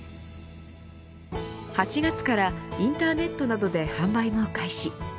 ８月からインターネットなどで販売も開始。